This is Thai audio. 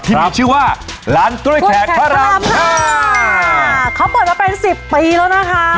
ที่มีชื่อว่าร้านกล้วยแขกพระรามค่ะเขาเปิดมาเป็นสิบปีแล้วนะคะ